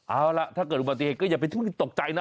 เอาล่ะถ้าเกิดอุปติเหตุก็อย่าไปตกใจนะ